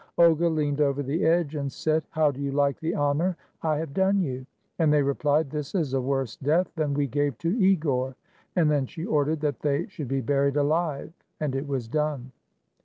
Olga leaned over the edge and said, "How do you like the honor I have done you?" And they re plied, "This is a worse death than we gave to Igor." And then she ordered that they should be buried alive. And it was done.